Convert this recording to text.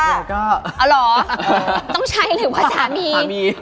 เอาเหรอต้องใช้หรือว่าสามี